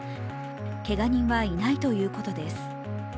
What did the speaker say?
けが人はいないとのことです。